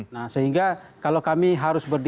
nah sehingga kalau kami harus berdiri